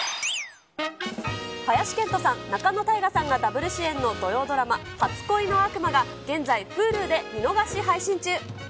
林遣都さん、仲野太賀さんがダブル主演の土曜ドラマ、初恋の悪魔が、現在、Ｈｕｌｕで見逃し配信中。